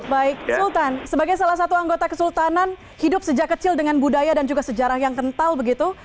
baik sultan sebagai salah satu anggota kesultanan hidup sejak kecil dengan budaya dan juga sejarah yang kental begitu